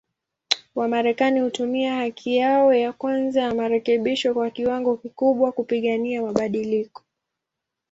Wamarekani hutumia haki yao ya kwanza ya marekebisho kwa kiwango kikubwa, kupigania mabadiliko.